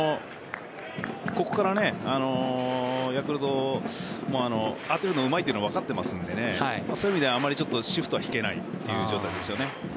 ここからヤクルトも当てるのがうまいのは分かっていると思うのでそういう意味でシフトは敷けない状態ですよね。